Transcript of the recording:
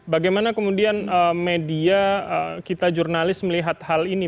bagaimana kemudian media kita jurnalis melihat hal ini